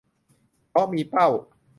เพราะมีเป้า